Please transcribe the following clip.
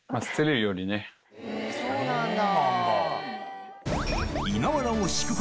そうなんだ。